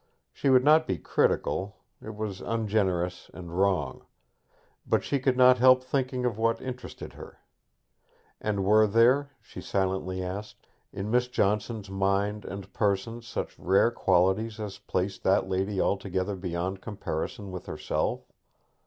She would not be critical, it was ungenerous and wrong; but she could not help thinking of what interested her. And were there, she silently asked, in Miss Johnson's mind and person such rare qualities as placed that lady altogether beyond comparison with herself?